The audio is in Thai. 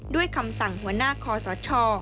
คำสั่งหัวหน้าคอสช